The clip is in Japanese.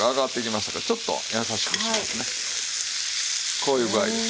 こういう具合です。